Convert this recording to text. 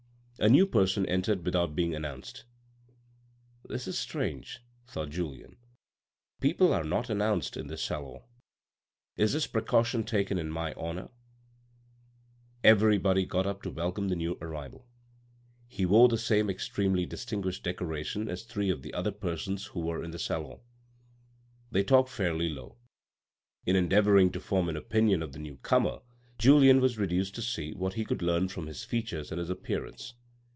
A new person entered without being announced. " This is strange," thought Julien. " People are not announced in this salon. Is this precaution taken in my honour ?" Everybody got up to welcome the new arrival. He wore the same extremely distinguished decoration as three of the other persons who were in the salon. They talked fairly low. In endeavouring to form an opinion of the new comer, Julien was reduced to seeing what he could learn from his features and his appeareance.